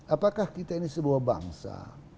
apakah kita ini sebuah bangsa